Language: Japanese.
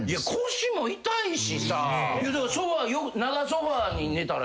腰も痛いしさ。